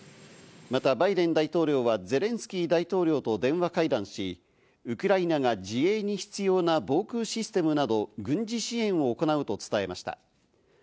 またバイデン大統領はゼレンスキー大統領と電話会談し、ウクライナが自衛に必要な防空システムなど軍事支援を行うと伝えました。